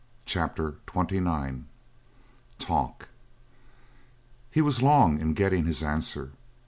CHAPTER XXIX TALK He was long in getting his answer.